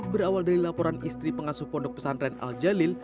berawal dari laporan istri pengasuh pondok pesantren al jalil